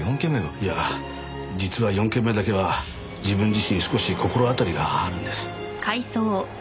いや実は４件目だけは自分自身少し心当たりがあるんです。